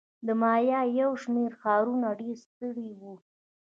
د مایا یو شمېر ښارونه ډېر ستر وو.